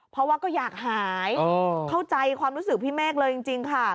เพราะว่าก็อยากหายเข้าใจความรู้สึกพี่เมฆเลยจริงค่ะ